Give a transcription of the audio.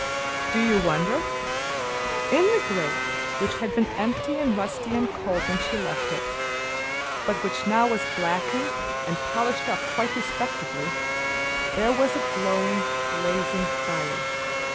Do you wonder? In the grate, which had been empty and rusty and cold when she left it, but which now was blackened and polished up quite respectably, there was a glowing, blazing fire.